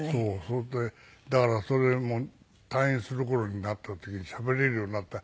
それでだからそれも退院する頃になった時にしゃべれるようになった。